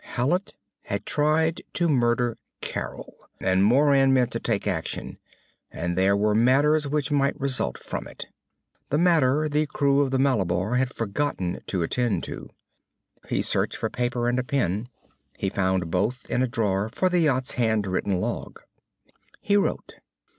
Hallet had tried to murder Carol, and Moran meant to take action, and there were matters which might result from it. The matter the crew of the Malabar had forgotten to attend to . He searched for paper and a pen. He found both in a drawer for the yacht's hand written log. He wrote.